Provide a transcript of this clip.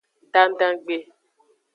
Dandangbe.